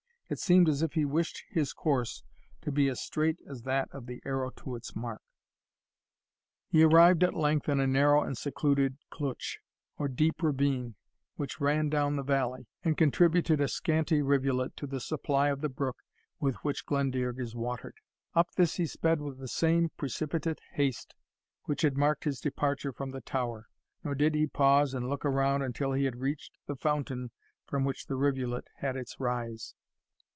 It seemed as if he wished his course to be as straight as that of the arrow to its mark. He arrived at length in a narrow and secluded cleuch, or deep ravine, which ran down into the valley, and contributed a scanty rivulet to the supply of the brook with which Glendearg is watered. Up this he sped with the same precipitate haste which had marked his departure from the tower, nor did he pause and look around until he had reached the fountain from which the rivulet had its rise.